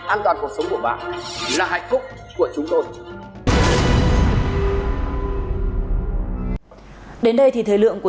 an toàn cuộc sống của bạn là hạnh phúc